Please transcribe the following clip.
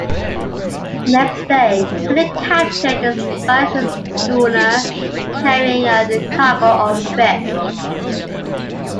The next day, Pellew captured a Spanish schooner carrying a cargo of fish.